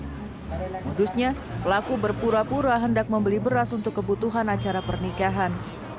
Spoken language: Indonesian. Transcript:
modusnya pelaku berpura pura hendak membeli beras untuk kebutuhan acara pernikahan